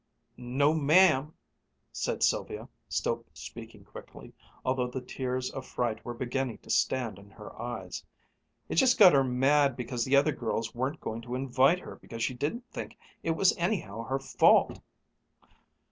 "No, ma'am," said Sylvia, still speaking quickly, although the tears of fright were beginning to stand in her eyes. "It just made her mad because the girls weren't going to invite her because she didn't think it was anyhow her fault."